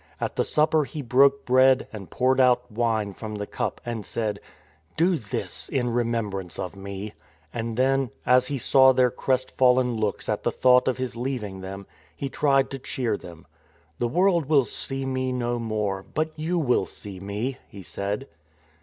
At the supper He broke bread and poured out wine from the cup and said: " Do this in remembrance of Me," and then, as He saw their crestfallen looks at the thought of His leaving them, He tried to cheer them. " The world will see Me no more, but you will see Me," He said.